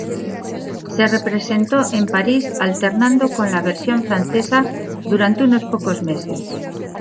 Se representó en París alternando con la versión francesa durante unos pocos meses.